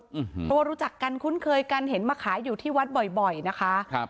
เพราะว่ารู้จักกันคุ้นเคยกันเห็นมาขายอยู่ที่วัดบ่อยบ่อยนะคะครับ